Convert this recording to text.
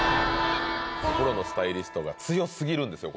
プロのスタイリストが強すぎるんですよ